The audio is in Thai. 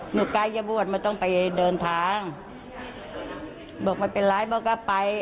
ใกล้จะบวชไม่ต้องไปเดินทางบอกไม่เป็นไรบอกก็ไป